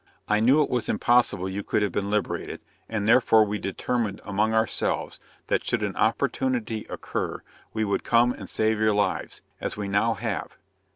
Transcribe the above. I knew it was impossible you could have been liberated, and therefore we determined among ourselves, that should an opportunity occur we would come and save your lives, as we now have."